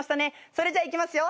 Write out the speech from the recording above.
それじゃいきますよ